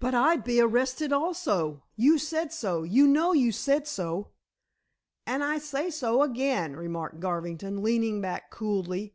"But I'd be arrested also. You said so; you know you said so." "And I say so again," remarked Garvington, leaning back coolly.